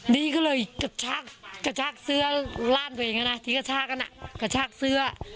นี่ก็เลยกระชากกระชากเสื้อร่านตัวเองอ่ะน่ะที่กระชากน่ะกระชากเสื้อ